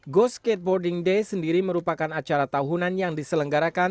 go skateboarding day sendiri merupakan acara tahunan yang diselenggarakan